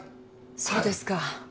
そうですか。